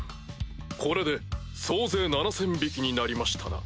これで総勢７０００匹になりましたな。